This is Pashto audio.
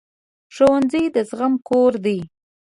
ښوونځی د زغم کور دی